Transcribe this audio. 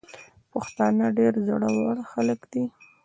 پښتانه ډير زړه ور خلګ دي.